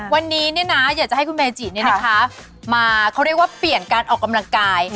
วันนี้เนี่ยนะอยากจะให้คุณเมจิมาเขาเรียกว่าเปลี่ยนการออกกำลังกาย